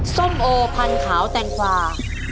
ส้มโอพันขาวแตงกวา